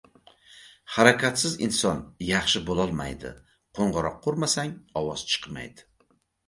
• Harakatsiz inson yaxshi bo‘lolmaydi, qo‘ng‘iroqqa urmasang ovoz chiqmaydi.